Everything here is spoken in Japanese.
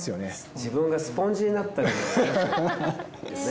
自分がスポンジになったかのようなね。